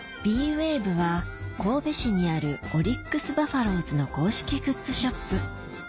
ＷＡＶＥは神戸市にあるオリックス・バファローズの公式グッズショップ